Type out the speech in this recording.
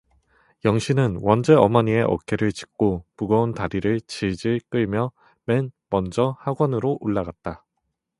영신은 원재 어머니의 어깨를 짚고 무거운 다리를 질질 끌며 맨 먼저 학원으로 올라갔다.